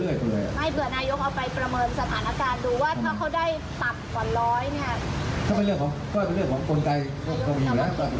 ดูว่าถ้าเขาได้ต่ำกว่าร้อย